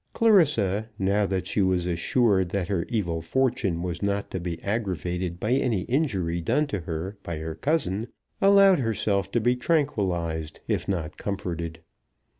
Clarissa, now that she was assured that her evil fortune was not to be aggravated by any injury done to her by her cousin, allowed herself to be tranquillised if not comforted.